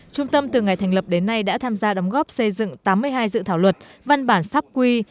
trung tâm từ ngày thành lập đến nay đã tham gia đóng góp xây dựng tám mươi hai dự thảo luật văn bản pháp quy